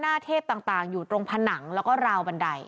เทพต่างอยู่ตรงผนังแล้วก็ราวบันได